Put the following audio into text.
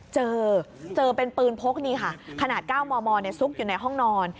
เจอเจอเป็นปืนพกนี่ค่ะขนาด๙มมซุกอยู่ในห้องนอน